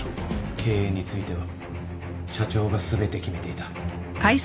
経営については社長が全て決めていた